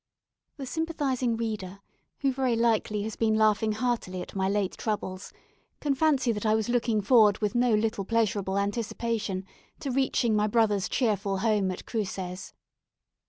The sympathising reader, who very likely has been laughing heartily at my late troubles, can fancy that I was looking forward with no little pleasurable anticipation to reaching my brother's cheerful home at Cruces.